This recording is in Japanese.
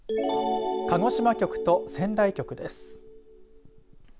鹿児島局と仙台局です。